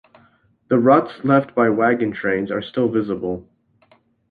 The ruts left by wagon trains are still visible.